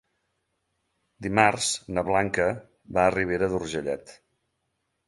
Dimarts na Blanca va a Ribera d'Urgellet.